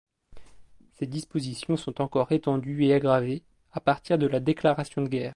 Ces dispositions sont encore étendues et aggravées, à partir de la déclaration de guerre.